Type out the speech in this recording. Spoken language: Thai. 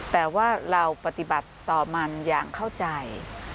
แต่ว่าเราปฏิบัติต่อมันอย่างเข้าใจ